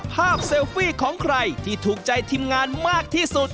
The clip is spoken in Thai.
เซลฟี่ของใครที่ถูกใจทีมงานมากที่สุด